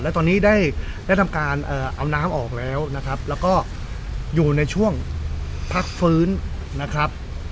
และตอนนี้ได้ทำการเอาน้ำออกแล้วนะครับแล้วก็อยู่ในช่วงพักฟื้นนะครับ